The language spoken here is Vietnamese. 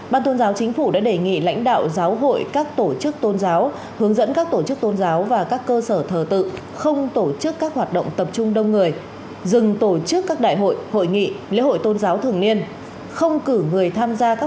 ban tôn giáo chính phủ đã đề nghị lãnh đạo giáo hội các tổ chức tôn giáo hướng dẫn các tổ chức tôn giáo và các tổ chức tôn giáo để đẩy mạnh phòng chống dịch covid một mươi chín trong tình hình mới